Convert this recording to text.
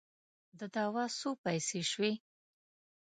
د دوا څو پیسې سوې؟